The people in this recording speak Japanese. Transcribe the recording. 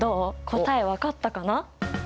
答え分かったかな？